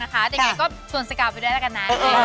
แต่อย่างไรก็ชวนสกรามไปด้วยละกันนะเออได้